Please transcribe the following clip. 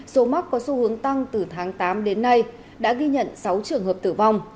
số mắc có xu hướng tăng từ tháng tám đến nay đã ghi nhận sáu trường hợp tử vong